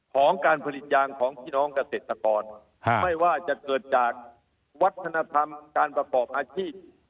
ของการผลิตยางของพี่น้องเกษตรกรไม่ว่าจะเกิดจากวัฒนธรรมการประกอบอาชีพ